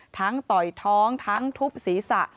ต่อยท้องทั้งทุบศีรษะ